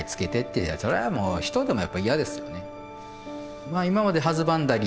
もう人でもやっぱ嫌ですよね。